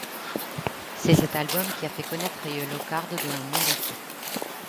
C'est cet album qui a fait connaître Yellowcard dans le monde entier.